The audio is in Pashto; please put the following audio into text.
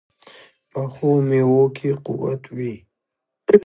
پخو میوو کې قوت وي